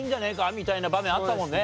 みたいな場面あったもんね。